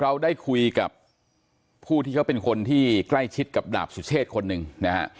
เราได้คุยกับผู้ที่เขาเป็นคนที่ใกล้ชิดกับดาบสุเชษคนหนึ่งนะฮะ